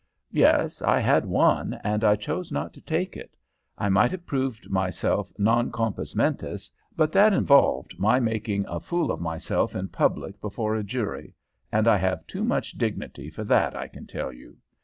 "Yes, I had one, and I chose not to take it. I might have proved myself non compos mentis; but that involved my making a fool of myself in public before a jury, and I have too much dignity for that, I can tell you.